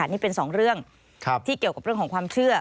นี่เป็นสองเรื่องที่เกี่ยวกับเรื่องของความเชื่อ